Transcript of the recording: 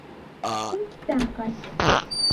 Мин китәм, Кай.